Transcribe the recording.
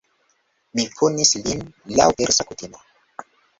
Mi punis lin laŭ Persa kutimo.